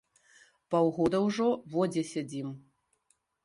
Паўгода ўжо во дзе сядзім!